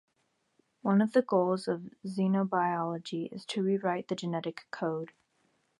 One of the goals of xenobiology is to rewrite the genetic code.